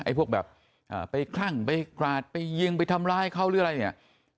พวกแบบไปคลั่งไปกราดไปยิงไปทำร้ายเขาหรืออะไรเนี่ย